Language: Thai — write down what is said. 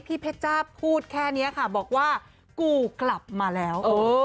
เพชรจ้าพูดแค่นี้ค่ะบอกว่ากูกลับมาแล้ว